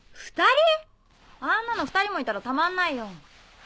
２人⁉あんなの２人もいたらたまんないよ。